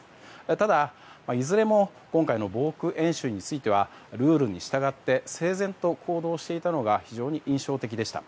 ただ、いずれも今回の防空演習についてはルールに従って整然と行動していたのが非常に印象的でした。